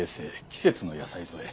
季節の野菜添え。